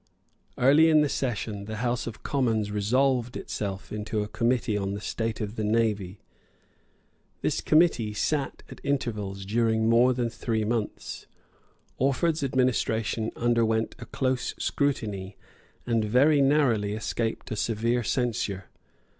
Early in the session, the House of Commons resolved itself into a Committee on the state of the Navy. This Committee sate at intervals during more than three months. Orford's administration underwent a close scrutiny, and very narrowly escaped a severe censure.